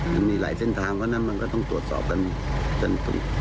มันมีหลายเส้นทางเพราะฉะนั้นมันก็ต้องตรวจสอบกัน